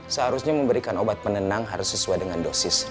seharusnya memberikan obat penenang harus sesuai dengan dosis